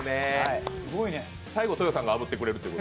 最後、とよさんがあぶってくれるという。